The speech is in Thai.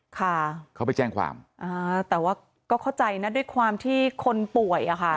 ค่ะเขาไปแจ้งความอ่าแต่ว่าก็เข้าใจนะด้วยความที่คนป่วยอ่ะค่ะ